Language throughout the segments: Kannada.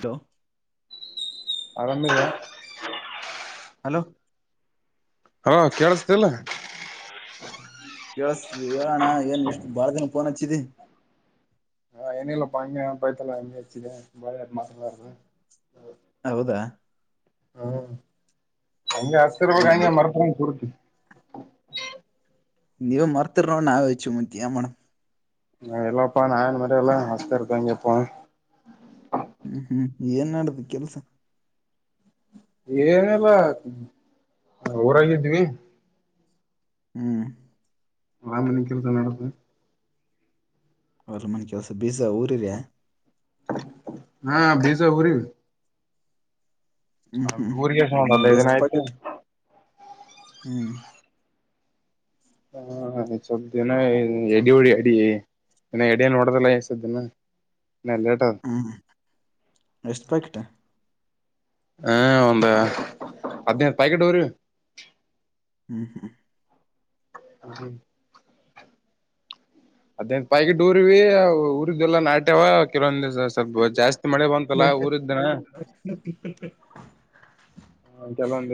ಹಲೋ ಆರಾಮಿಲ್ಲ ಹಲೋ ಹಾ ಕೇೇಳಸತಿಲ್ಲ ಕೇಳ ಹೇಳೋಣ ಏನ್ ಇಷ್ಟು ಬಾಳ ಜನ ಫೋನ್ ಹಚ್ಚಿದಿ ಹಾ್ ಎನಲ್ಲಪ್ಪಾ ಪಾಯತಲ್ಲ ಎಾಿದೆ ಮಳ ಮರ ಹೌದಾ ಹ್ಮ್ ಹಗೆ ಹಶೀರ್ವಾಗ ಹಂಗೆ ಮರ್ತ ಕುೂಡ್ತಿ ನೀವ ಮರ್ತಿರ ನೋ ನಾವೇ ಇಚ್ಚು ಮುಂತಿಯ ಮೇ್ ನಾ ಎಲ್ಲಪ್ಪ ನಾಯನ್ ಮಾರ ಎಲ್ಲ ಹಸ್ತತಂಗಗೆಪ್ಪ ಹ್ಮ್ ಹ್ಮ್ ಏನ್ ಮಾಡಡದು ಕೆಲ್ಸ ಏನಲ್ಲ ಊರಾಗಿದ್ವಿ ಹ್ಮ್ ರಾಮನ ಕೆಲಸ ನಡುತ್ತ ಅವರ ಮನ್ ಕೆಲ್ಸ ಬೀಜ ಊರಿರ ಹಾ ಬೇಜ ಹಊರಿ ಹ್ಮ್ ಒಂದ್ ಹ್ಮ್ ಹದಿನೈದು ದಿನ ಎಷ್ಟು ಆಯ್ತು ಪಾಕೀಟ್ ಹ್ಮ್ ಹಾ ಸಒನ್ ಸ್ವಲ್ಪ್ ದಿನಾ ಹಿಂಗ್ ಎಡಿ ಓಡ್ಯಾಡಿ ಇನ್ನು ಎಡ ನೋಡದಿಲ್ಲ ಎನ್ಸುದ್ದಿನೊ. ಹ್ಮ್ ಎಷ್ಟ ಪಾಕಿಟ್ಟ. ಹಾ ಒಂದ ಹದ್ನೈದ ಪಾಕಿಟವರಿ. ಹ್ಮ್ ಹ್ಮ್ [unintelligible] ಹದನೈದ ಪಾಕಿಟ್ ಉರಿವಿ ಊರಿದುವೆಲ್ಲ ನಾಟ್ಯವಾ ಕೆಲವೊಂದ ಸ್ವಲ್ಪ ಜಾಸ್ತಿ ಮಳೆ ಬಂತಲ್ಲ ಊರ ಇಂದನ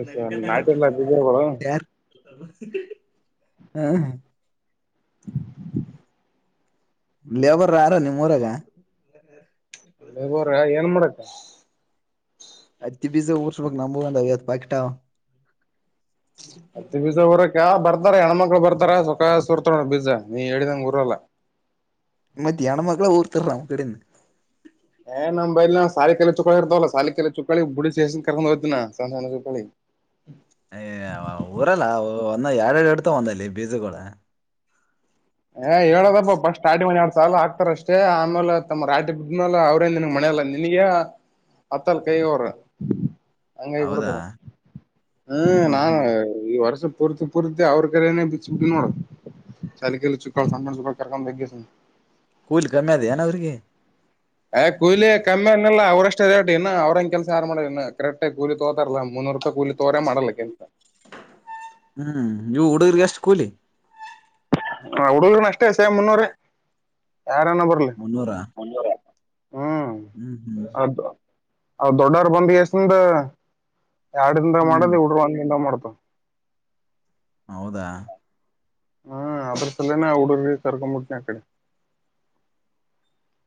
ನಗಕತ್ತನ್ ನೋಡ್ ಬೀಜಗಳು ಯಾರ. ಹಾ ಹಾ [unintelligible] ಲೇಬರ್ ಆರ ನಿಮ್ಮ ಊರಾಗ ಲೆಬೋರ ಏನ್ ಮಾಡಕ್ಕ. ಹತ್ತಿ ಬಿಜಾ ಉರ್ಸಬೆಕ್ ನಮ್ಮುವ್ ಒಂದ್ ಐವತ್ತ್ ಪಾಕಿಟ್ ಆವ್. ಹತ್ತಿ ಬೀಜ ಊರಾಕ ಬರ್ತ ಬರ್ತಾರ ಹೆಣ್ಮಕ್ಳು ಬರ್ತಾರ ಸುಖ ಸುರ್ತ ನೋ ಬೀಜ ನೀ ಹೇಳಿದಂಗ ಊರಲ್ಲ. ಮತ್ತ್ ಹೆಣ್ಣ ಮಕ್ಕಳ ಊರ್ತರ ನಮ್ಮ ಕಡಿಂದ. ಏ ನಮ್ಮ ಬಲ್ಲಿ ನಾವ್ ಸಾಲಿ ಕಲ್ಯಾ ಚುಕ್ಕಳಿ ಇರ್ತವಲ್ಲ ಸಾಲಿ ಕಲ್ಯಾ ಚುಕ್ಕಳಿ ಬುಡಿ ಸೇರ್ಸಿಂದ ಕರ್ಕೊಂಡ್ ಹೋತಿನ. ಏ ಯ ಊರಲ್ಲ ಒಂದ ಯಡ್ಯಾಡ್ ಇಡ್ತಾವ ಒಂದಲ್ಲಿ ಬೀಜಗೋಳ ಏ ಹೇಳೋದಪ್ಪ ಫರ್ಸ್ಟ್ ಸ್ಟಾರ್ಟಿಂಗ್ [unintelligible] ಸಾಲ ಹಾಕ್ತಾರ ಅಷ್ಟೇ ಆಮೇಲ ತಮ್ಮ ರಾಟಿ ಬಿದ್ದಮ್ಯಾಲ್ ಅವ್ರೇನ್ ನಿನ್ಗ್ ಮನ್ಯಲ್ಲ ನಿನಗೆ ಹತ್ತಲ್ ಕೈಗ ಅವ್ರ. ಹಂಗ ಆಗಿ ಹೌದಾ ಬಿಡ್ತದ ಹ್ಮ್ ನಾನ ಈ ವರ್ಷ ಪುರ್ತಿ ಪೂರ್ತಿ ಅವ್ರ ಕಡೆನೆ ಬಿಚ್ಚ ಬಿಟ್ಟಿನ್ ನೋಡ ಸಾಲಿ ಕಲಿಕ್ ಚಿಕ್ ಸಣ್ಣ ಹುಡ್ಗುರ್ನ ಕರ್ಕೊಂಡ್ ಹೋದ್ಕೆಶಿಂದ. ಕೂಲಿ ಕಮ್ಮಿ ಅದ ಏನ ಅವ್ರಿಗೆ ಏ ಕುಯ್ಲಿ ಕಮ್ಮ ಏನಿಲ್ಲ ಅವರ ಷ್ಟರ ಡೇಟ್ ಇನ್ನ ಅವ್ರಂಗ ಕೆಲ್ಸ ಯಾರ ಮಾಡೋಲ್ ಇನ್ನಾ ಕರೆಕ್ಟಾಗಿ ಕೂಲಿ ತೋತಾರಲ್ಲ ಮುನ್ನೂರ್ ರೂಪಾಯಿ ಕೂಲಿ ತೋರೆ ಮಾಡಲ್ಲ ಕೆಲ್ಸ. ಹ್ಮ್ ಇವು ಹುಡುಗ್ರಿಗ್ ಎಷ್ಟು ಕೂಲಿ. ಹ ಹುಡುಗ್ರನ ಅಷ್ಟೇ ಸೇಮ್ ಮುನ್ನೂರೆ ಯಾರ ಅನಾ ಬರ್ಲಿ. ಮುನ್ನೂರ ಹ್ಮ್ ಹ್ಮ್ ಹ್ಮ್ ಅದ್ ಅವ್ ದೊಡ್ಡೊರ ಬಂದ ಕೇಶಿಂದ ಯಾಡ್ ದಿಂದಾಗ್ ಹ್ಮ್ ಮಾಡದ ಈ ಹುಡಗುರು ಒಂದಿಂದಾಗ್ ಮಾಡ್ [unintelligible] ಹೌದಾ. ಹ್ಮ್ ಅದರ್ಸಲ್ಲನ ಹುಡುಗ್ರಿಗ ಕರ್ಕೊಂಬಿಡ್ತೀನ್ ಅಕಡೆ.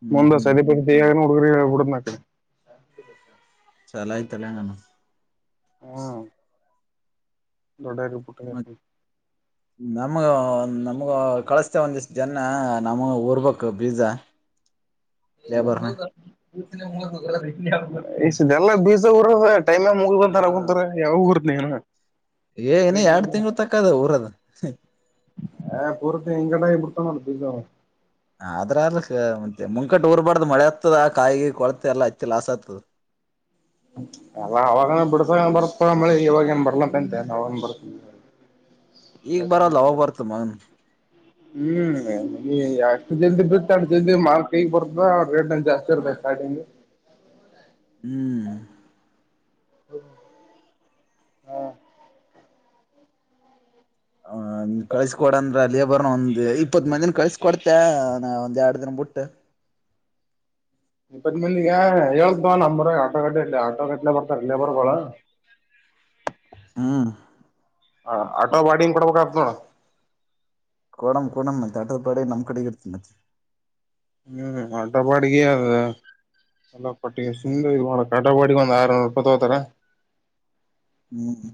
ಹ್ಮ್ ಮುಂದ ಹ್ಮ್ ಸದಿ ಪಿದಿ ತೆಗ್ಯಕ್ನು ಹುಡುಗುರ್ಗಿ ಹೇಳಿ ಬಿಡನ್ ಆಕಡೆ. ಚಲ್ ಆಯ್ತ್ ಲೆ ನಮಗ್ ಹ್ಮ ಮತ್ ನಮಗ ನಮ್ಗ ಕಳಸ್ತೇ ಒಂದಿಷ್ಟ ಜನ್ನಾ ನಮ್ಮವು ಊರ್ಬೇಕು ಬೀಜ. ಲೇಬರ್ನ [unintelligible] ಎಲ್ಲ ಬೀಜ ಉರದ ಟೈಮ ಮುಗದದ ಅನಾ ಕುಂತಾರ ಯಾವಾಗ್ ಉರ್ದ ನಿ ಇನ್ನಾ. ಏ ಇನ್ನ ಎರಡ್ ತಿಂಗಳ ತಕ್ಕ ಅದಾ ಊರದ. ಏ ಪೂರ್ತಿ ಹಿಂಗನ ಆಗ್ಬಿಟ್ಟಾವ್ ನೋಡ್ ಬೀಜ ಅವ. ಆದ್ರ ಅಲ್ ಕ ಮತ್ತೆ ಮುಂಕಟ್ಟ ಊರ್ಬಾರ್ದ್ ಮಳೆ ಹತ್ತದ ಕಾಯಿ ಗಿಯಿ ಕೊಳತೆ ಎಲ್ಲ ಹತ್ತಿ ಲಾಸ್ ಆಯ್ತುದ. [unintelligible] ಎಲ್ಲ ಅವಾಗನ ಬಿಡಸನ ಬರ್ತದ ಮಳಿ ಇವಾಗ ಏನ್ ಬರ್ಬೇಕಂತ್ಯ ಅವಗೆನ್ ಬರ್ತ ಈಗ ಬರಲ್ದ್ ಅವಾಗ್ ಬರ್ತದ ಮಗನ್. ಹ್ಮ್ ನೀ ಎಷ್ಟ ಜಲ್ದಿ ಬಿತ್ತಿ ಅಷ್ಟ ಜಲ್ದಿ ಮಾಲ್ ಕೈಗ್ ಬರ್ತದ ರೇಟ್ ಜಾಸ್ತಿ ಇರ್ತ [unintelligible] ಹ್ಮ್ [unintelligible] ಹಾ ಅವ ಕಳ್ಸ್ಕೊಡಂತ ಅಲೆ ಲೇಬರ್ ಒಂದ್ ಇಪ್ಪತ್ ಮಾದೇ ಕಳ್ಸ ಕೊಡ್ತೇ ಒಂದ್ ಎರಡ್ ದಿನ ಬಿಟ್ಟ ಇಪ್ಪತ್ ಮಂದಿಗೆಗ ಹೇಳೇತವ ನಮರ ಆಟೋ ಗಡ್ ಇಲಿ ಆಟೋಗಡ್ಲೆ ಬರ್ತಾರ ಲ್ಯಾಬೋರ್ಗಳು ಹ್ಮ್ಮ್ ಹ ಆಟೋ ಬಾಡನ್ ಕೊಡ್ಬೇಕತ್ ನೋಡ ಕೊಡಂ ಕೊಡಂ ಮತ್ತೆ ಆಟೋ ಬಾಡಿಗೆ ನಮ್ಮ್ ಕಡೆ ಇರ್ತ ಮತ್ತೆ ಹ್ಮ್ ಆಟೋ ಬಾಡಿಗೆ ಅದ ಎಲ್ಲ ಪಟ್ಟಿಗೆ ಸುಮ್ನೆ ಇದು ಮಾಡಕ್ ಆಟೋ ಬಾಡಿಗೆ ಒಂದು ಆರುನೂರು ರೂಪಾಯಿ ತಗೋತಾರಾ ಹ್ಮ್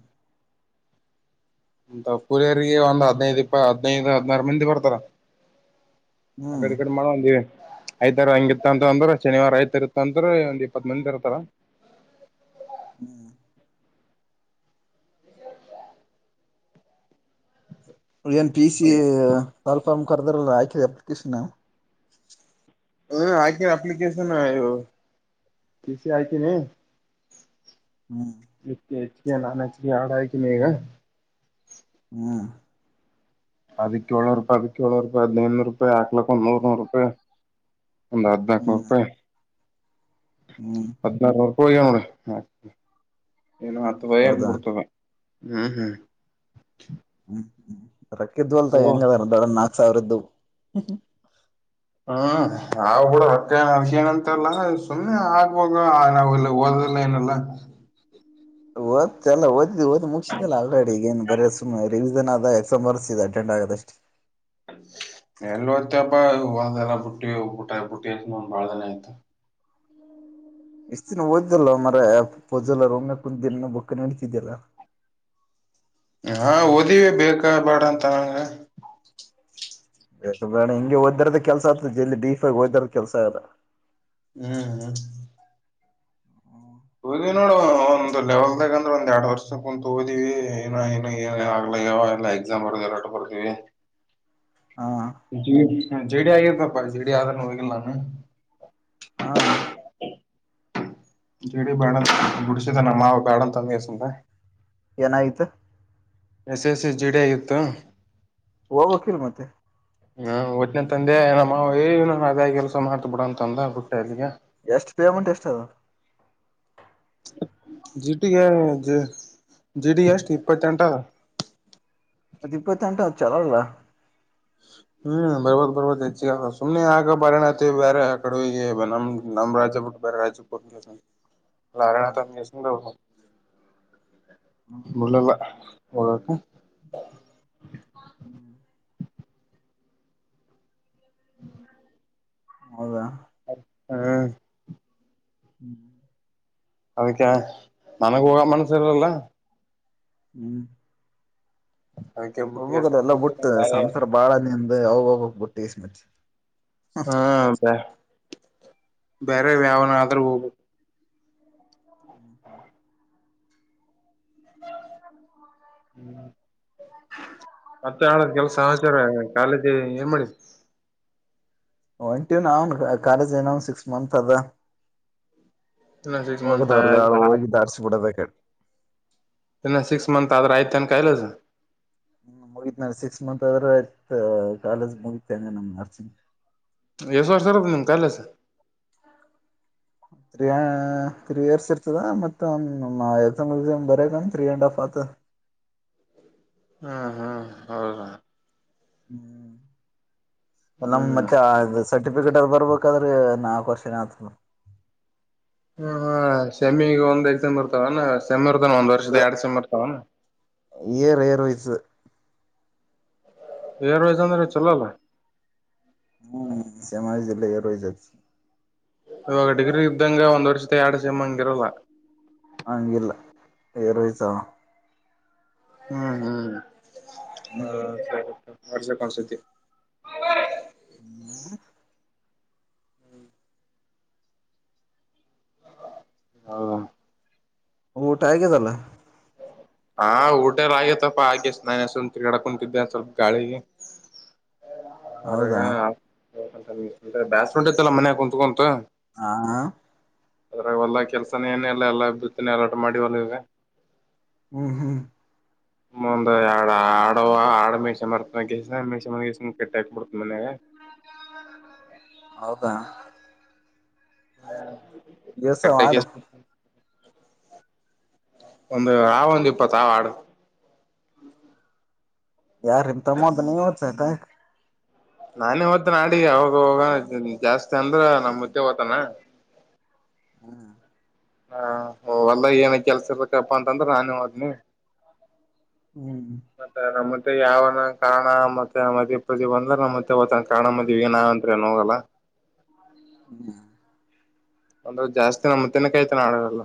ಅಂತ ಪೂರಿರಿಗೆ ಒಂದ್ ಹದ್ನೈದ್ ಇಪ್ಪ ಹದ್ನೈದು ಹದ್ನಾರು ಮಂದಿ ಬರ್ತಾರ ಹ ಹ್ಮ್ ಕಡೆ ಈಕಡೆ ಮಾಡುವಂದಿವವಿ ಐತ ಹಂಗಿರ್ತ ಅಂತ ಅಂದ್ರ ಶನಿವಾರ ಐತ ಇರ್ತ ಅಂದ್ರೆ ಒಂದ್ ಇಪ್ಪತ್ ಮಂದಿ ಇರ್ತಾರ ಹ್ಮ್ ಏನ್ ಪಿ ಸಿ ಪಾಲ್ಫಾರ್ಮ್ ಕರೆದ್ರ ಆಾಕಿದೆ ಅಪ್ಲಿಕೇಶನ್ ಹ್ಮ ಅಕಿನೀ ಅಪ್ಲಿಕೇಶನ್ ಇವು ಪಿಸಿ ಹಕೆನೆ ಹ್ಮ್ ಹಕ್ ನಾನ್ ಹಕ್ ಎಡು ಅಕಿನ ಈಗ ಹ್ಮ್ ಅದಕ್ಕೆ ಏಳು ನೂರು ರೂಪಾಯಿ ಏಳು ರೂಪಾಯಿ ಹದಿನೈನೂರು ರೂಪಾಯಿ ಹಾಕೆ ಒಂದು ನೂರು ರೂಪಾಯಿ ಒಂದುಹದಿನೈದುನೂರು ಹ್ಮ್ ರೂಪಾಯಿ ಹ್ಮ್ ಹದಿನೈದುನೂರು ಹೋಗುವ ನೋಡು ಏನು ಹತ್ತುುವಯ ಹೌದಾ ಅನ್ಬಿಡ್ತವೆ ಹ್ಮ್ ಹ್ಮ್ ಹ್ಮ್ ಹ್ಮ್ ರಕ್ಕಿದ್ದು ಅಲ್ತ ಹೆಂಗದಾರ ದೊಡ ನಾಕ್ ಸಾವಿರದ್ದು ಹ್ಮ್ ನಾವು ಕೂಡ ರೊಕ್ಕ ಏನಂತಲ್ಲ ಸುಮ್ಮ್ನೆ ಆಗ್ವಾಗ ನಾವ್ ಇಲ್ಲಿ ಹದ ಎನ್ಯೂಲ್ಲಾ ಓದ್ಲ್ಲ ಓದ್ ಓದ್ ಮುಗಸಿದಲ್ಲ ಅಲ್ರೆಡಿ ಈಗ ಏನು ಬರೇ ಸುಮನೆ ರಿವಿಿಸನ್ ಆದ ಎಕ್ಸಾಮ್ ಬರ್ಸ ಅಟೆಂಡ್ ಆಗದಷ್ಟೇ ಎಲ್ಲಿ ಹೋ್ತ ಹಬ್ಬಾ ಒ ಎಲ್ಲ ಬುಟ್ಟಿಬಟ್ಟ ಬುಟ್ಟಿ ಅತ್ ಒಂದ ಬಾಳ್ದನ ಆಯ್ತು ಇಷ್ಟ ದಿನ ಓದ್ದಲ್ ಮರ ಪೊಜೆಲ್ಲ ರ ಒಮ್ಮೆ ಕುಂದ ದಿನ ಬಕ್ ನಡತಿದ್ಯಲ್ಲ ಹಾ ಓದಿವವಿ ಬೇಕ ಬೇಡ ಅಂತ ನಂಗ ಬೇಕಾ ಬೇಡ ಹಿಂಗೆ ಓದ್ರದ ಕೆಲ್ಸ ಆಗ್ತದಲ್ಲಿ ಡೀಫಗ ಓದ ಕೆಲ್ಸ ಅದ ಹ್ಮ್ ಹ್ಮ್ ಓಡಿವಿ ನೋಡು ಒಂದ್ ಲೆವೆಲ್ದಾಗ ಅಂದ್ರೆ ಒಂದ್ ಎರಡ್ ವರ್ಷದ ಕುಂತ ಹೋದಿವವಿ ಏ ಆಗ್ಲ ಯಾವ ಎಲ್ಲ ಎಕ್ಸಾಮ್ರ್ಗೆರ ಬರ್ತೀವಿ [inaudible] ಹಾ ಜಡಿ ಆಗಿಬೇಕಪ್ಪಾ ಜಡಿ ಆದ ಹೋಗಿಲ್ಲ ನಾನು ಹಾ ಜಡಿ ಬೇಡ ಗುಡಿಿಸಿತನ್ನ ನಮ್ ಮಾವ ಬೇಡ ಹಂಡುಕೆಸೆದ ಏನಯಿತ ಎಸ್ ಎಸ್ ಸಿ ಜಿಟಿ ಆಯತ್ತು ಹೋಗಬೇಕು ಇಲ್ಲ ಮತ್ತ ಹ್ಮ ಒದಿನ ತಂದೆ ನಮ್ಮವ ನನ್ ಅದೇ ಕೆಲಸ ಮಾಡ್ತ ಬಿಡ ಅಂತ ಅಂದ ಬುಟ್ಟ ಅಲ್ಲಿಗೆ ಎಷ್ಟು ಪೇಮೆಂಟ್ ಎಷ್ಟ ಅದ ಜಿಟಿಗೆ ಜೇ ಜಿಟಿ ಎಷ್ಟು ಇಪ್ಪತ್ತೆಂಟ ಅದಾ ಅದು ಇಪ್ಪತ್ತೆಂಟ ಹಾ ಚಲೋಲ್ಲ ಹ್ಮ್ ಬರ್ಬತ್ ಬರ್ಬತ್ ಹೆಚ್ಚಿಗೆಗ ಸುಮ್ನೆ ಆಗ ಪರಿಣತಿ ಬೇರೆ ಆ ಕಡ ನಮ್ ನಮ್ ರಾಜ್ಯ ಬಿಟ್ಟ ಬರ ರಾಜು ಕೊ ಲಾರಣಥ ಅ ಎ ದ ಬಲಲ್ಲ ಹತ ಹ್ಮ್ ಹ್ಮ ಹೌದಾ ಹಾ ಹ್ಮ್ ಅದಕ್ಕೆ ನನಗ್ ಹೋಗ ಮನ್ಸರಲ್ಲ ಹ್ಮ್ ಒಬ್ಬೋಗದ ಎಲ್ಲ ಅದಕ್ಕೆ ಬಿುಟ್ಟ ಸಂಸಾರ ಬಾಳ ನಿಮ ಅವೋಗೋಗ್ಬುಟ್ಟು ಇಸ್ತ್ ಹಾ ಬೇರೆ ಯಾವನ ಆದ್ರೂ ಹೋಗಬೇಕುದು ಹ್ಮ್ ಮತ್ತೆ ಆಳದ್ ಕೆಲ್ಸ ಹಚಾರ ಕಾಲೇಜಿ ಏನ್ ಮಾಡಿದ ಒನ್ ಟೂನ್ ಅವನ್ ಕಾಲೇಜ್ ಏನ ಅವನ್ ಸಿಕ್ಸ್ ಮಂತ್ ಅದ ಇನ್ನ ಸಿಕ್ಸ್ ಮಂತ್ ಹೋಗದವ್ರಗಾಳು ಆ ಹೋಗಿ ಧಾರಿಸಿಬಿಡೋದ ಕು ಇನ್ನ ಸಿಕ್ಸ್ ಮಂತ್ ಆದ್ರ ಆಯ್ತೆ ಅನ್ ಕಾಯಲಸ ನಿ ಮುಗತ್ ನ ಸಿಕ್ಸ್ ಮಂತ್ ಆದ್ರ ಆಯ್ತ್ ಕಾಲೇಜ್ ಮುಗತೇನೆ ನಮ ನರ್ಸಿಂಗ್ ಎಷ್ಟು ವರ್ಷು ನಿಮ್ ಕಲಸ ತ್ರೀ ಇಯರ್ಸ್ ಇರ್ತದ ಮತ್ತಮ್ ಬರಂದ ರೀ ಅಂಡ್ ಹಫ್ ಆ ಕುತ್ತ ಹ್ಮ್ ಹ್ಮ್ ಹೌದ ಹ್ಮ್ ನಮ್ ಹ್ಮ್ ಮತ್ತೆ ಸರ್ಟಿಫಿಕೇಟ್ ಅದ ಬರ್ಬೇಕಾದ್ರೆ ನಾಕವನ್ ಆತ ಹ್ಮ ಹಾ ಹಾ ಸಮ್ಮಿಗ ಒಂದ ಎಕ್ಸಾಮ್ ಇರ್ತವ ಸೆಮ್ಮಿ ಇರ್ತಾನ ಒಂದ್ ವರ್ದ ಎರಡು ಸೆಇರ್ತವ ಏ ರೇರ್ ವಯಸ ಎರ ವಸ್ ಅಂದ್ರೆ ಚಲೋಲ್ಲ ಹ್ಮ್ ಶ್ಯಾಮಾರ ಜಿಲ್ಲಗೆರ ಜಾಗ ಒ ಡಿಗ್ರಿ ಇದ್ದಂಗಗೆ ಒಂದ್ ವರ್ಷದ ಎಡು ಸಮ ಹಂಗಿರಲ್ಲ ಆಂಗಿಲ್ಲ ಏರಸ ಹ್ಮ್ ಹ್ಮ್ ಹ ಹ್ಮ್. ಸರಿ ಅವರ್ಸ ಕ ಸತ್ಯ ಹ ಹ ಊಟಾಯಗ ತಲ್ಲ ಹಾ ಊಟಾರ ಆಗತ್ತಪ್ಪ ಹಾಗಗೆ ನಾನು ತಿರ್ಗಡೆ ಕುಂತಿದ್ದೆ ಸ್ವಲ್ಪ ಗಾಳಿಗೆ ಅರ ಹೌದಾ ಬ್ಯಾಸ್ಫ್ರಂಟತಲ್ಲ ಮನೆಯ ಕುಂತ್ಕಂತು ಹಾ ಹಾ ಅದ್ರಾಗ ಒಲ್ಲ ಕೆಲ್ಸನ ಏನ ಎಲ್ಲ ಎಲ್ಲಾಭ್ಯತಿನ ಅಲಾಟ ಮಾಡಿ ಒಲದೆ ಹ್ಮ್ ಹ್ಮ್ ಒ ಆ ಆಡ ಆ ಮಣಸ ಮರ್ತ ಗಸ ಮಣಸಸ ಕೆಟ್ಟಿಾಕ್ಬ ಬಿಡ್ತ ಮನ್ಾಗ ಹೌದಾ ಹಾ ದಿವಸ ಮಾಡ ಒಂದು ಆ ಒಂದು ಇಪ್ಪತ್ತಾವ ಆಡು ಯಾರಮ ತ ಮೊದನ ಹೊತ್ತಾಯ್ತ ನಾನೇ ್ ನಾಡಡಿ ಅವಾಗ ಹೋಗ ಜಾಸ್ತಿ ಅಂದ್ರ ನಮ್ ಮ್ದೆ ಓ್ತಾನ ಹ್ಮ್ ಹಾ ಓವಲ್ಲ ಏನ ಕೆಲ್ಸ ಇರ್ಬೇಕಪ್ಪಾ ಅಂತಂದ್ರ ನಾನೇ ಮದ್ನಿ ಹ್ಮ್. ಮತ್ತೆ ನಮ್ಮ ಮತ್ತೆ ಯಾವನ ಕಾರಣ ಮತ್ತೆ ಮದೇಪತಿ ಬಂದ್ರ ನ ಮತ್ತೆ ಅವತ್ತ ಕಾರಣ ಮದ್ ಏನಾವ ಅತ್ ಏನ್ ಹೋಗಲ್ಲ ಹ್ಮ [unintelligible] ಒಂದ್ರ ಜಾಸ್ತಿ ನಮ್ಮ ತನ ಕೈತೆ ನಡರೆಲ್ಲ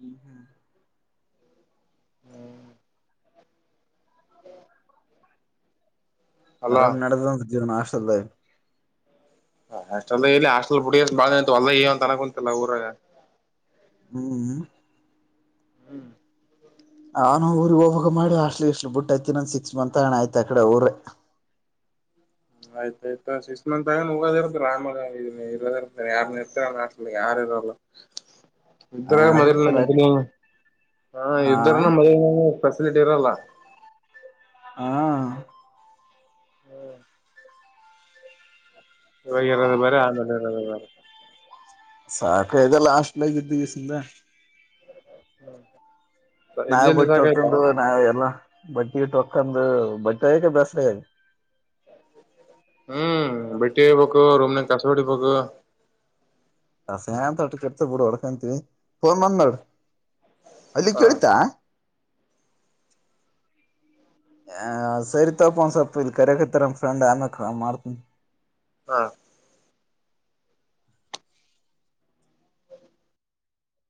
ಹ್ಮ ಹ್ಮ್ ಅಲ್ವಾ ಆರಾಮ್ ನದ ಜೀವನ್ ಆಶಲ್ಲ ಹಾಸ್ಟೆಲ್ ಇಲ್ಲಿ ಹಾಸ್ಟೆಲ್ ಪುಡ ಬಾಳ ಹೊಲ್ಲ ಅಂತ ಅನ್ಕೊಂತಲ್ಲಾ ಊರ ಹ್ಮ್ ಹ್ಮ್ ಹಾನ ಊರಿಗೆಗ್ ಹೋಗವಾಗ ಮಾಡಿ ಅಷ್ಟಲಿ ಇಷ್ಟ್ ಬುಟ್ಟಯತಿ ನಂದ ಸಿಕ್ಸ್ ಮಂತ್ ಹಣ ಆಯ್ತ ಆ ಕಡೆ ಊರ ಆಯ್ತಾಯಯ್ತ ಸಿಕ್ಸ್ ಮಂತ್ ಆಗ ಹೋಗೋದಿರ್ತ ಆಾಮಾಗ ಇರೋದಿರ್ತ ಯಾರ್ ನಿರ್ತ ನ ಯಾರ [unintelligible] ಇದ್ರ ಆ ಮೊದ್ಲಿನ ಮದ್ ಹ ಹಾ ಇದ್ರನ ಮೊದ್ಲ್ ಫೆಸಲಿಟಿ ಇರಲ್ಲ ಹಾ ಇಗ ಇರದ ಬೇ ಆಮೇಲೆ ಎರದ ಬೇರಿ ಸಾಕ ಇದೆಲ್ಲ ಅಷ್ಟಟ್ಲಾಗ್ದು ದಸಿಂದ ಇರತ್ತ ಎಡ್ ನಾವ್ ಜಲ್ದಿ ಬಟ್ಟ ಸಾಕಾಯ್ತಾ ತಕೊಂಡ ನಾವ್ ಎಲ್ಲ ಬಟ್ಟಿಯಟಕ್ಕಂದು ಬಟ್ಟಕ ಬಸರೆ ಹ್ಮ್ ಬಿಟ್ಟಿರಬೇಕು ರುಮ್ನನ್ ಕಾಸೋಡಿಬೇಕು ಸ ಅಂತ ಅಟ್ಟ ಕೆಟ್ತ ಬಿಡು ಹೊಡ್ಕೊಂತವಿ ಫೋನ್ ಬಂದ್ ನಾಡ್ ಅಲ್ಲಿ ಹ ಕೇೇಳತಾ ಆ ಸರಿತಪ ಒಂದ ಸ್ವಲ್ಪ ಇಲ್ ಕರಕತ್ತಾರಮ್ಮ ಫ್ರಂಡ್ ಆಮಕ್ ಮಾಡ್ತನ ಹಾ